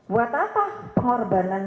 buat apa pengorbanan